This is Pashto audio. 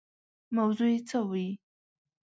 موضوع یې څه وي.